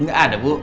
nggak ada bu